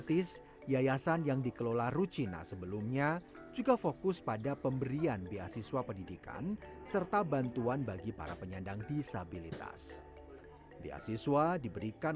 misalnya contohnya sering diajak